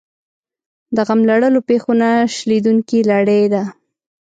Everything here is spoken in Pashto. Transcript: د غم لړلو پېښو نه شلېدونکې لړۍ ده.